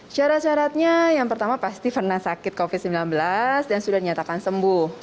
syarat syaratnya yang pertama pasti pernah sakit covid sembilan belas dan sudah dinyatakan sembuh